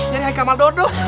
jadi haikal sama dodot